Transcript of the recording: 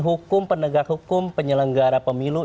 hukum penegak hukum penyelenggara pemilu